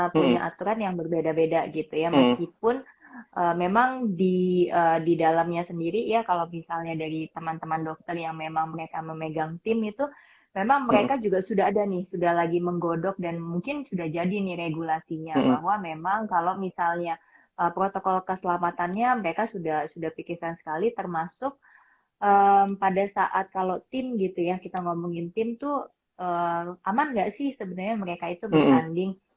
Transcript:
punya aturan yang berbeda beda gitu ya meskipun memang di dalamnya sendiri ya kalau misalnya dari teman teman dokter yang memang mereka memegang tim itu memang mereka juga sudah ada nih sudah lagi menggodok dan mungkin sudah jadi nih regulasinya bahwa memang kalau misalnya protokol keselamatannya mereka sudah pikirkan sekali termasuk pada saat kalau tim gitu ya kita ngomongin tim tuh aman nggak sih sebenarnya mereka itu berbanding